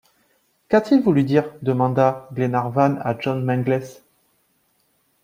Qu’a-t-il voulu dire? demanda Glenarvan à John Mangles.